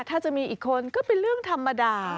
ถ้าจะมีอีกคนก็เป็นเรื่องธรรมดา